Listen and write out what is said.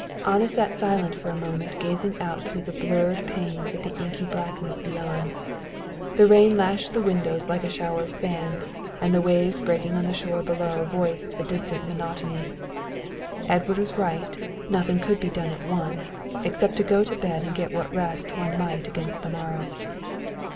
Anna sat silent for a moment gazing out through the blurred panes at the inky blackness beyond. The rain lashed the windows like a shower of sand, and the waves breaking on the shore below voiced a distant monotony. Edward was right, nothing could be done at once, except to go to bed and get what rest one might against the morrow.